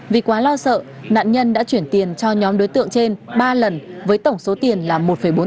vì quá lo sợ nạn nhân đã chuyển tiền cho nhóm đối tượng trên ba lần với tổng số tiền là một bốn tỷ